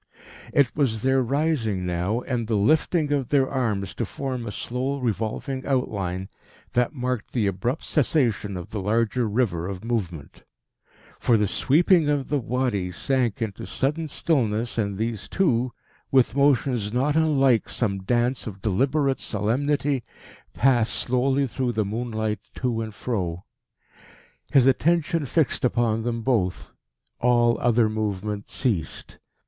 It was their rising now, and the lifting of their arms to form a slow revolving outline, that marked the abrupt cessation of the larger river of movement; for the sweeping of the Wadi sank into sudden stillness, and these two, with motions not unlike some dance of deliberate solemnity, passed slowly through the moonlight to and fro. His attention fixed upon them both. All other movement ceased.